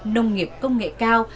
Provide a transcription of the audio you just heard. nông nghiệp công nghệ cao